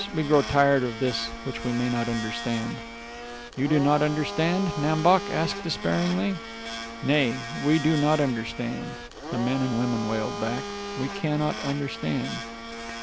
We grow tired of this which we may not understand." "You do not understand?" Nam Bok asked despairingly. "Nay, we do not understand," the men and women wailed back. "We cannot understand."